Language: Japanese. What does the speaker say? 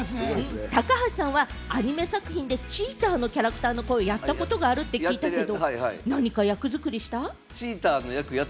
高橋さんはアニメ作品でチーターのキャラクターの声をやったことがあるって聞いたけれども、何か役作りした？